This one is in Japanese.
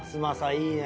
いいね。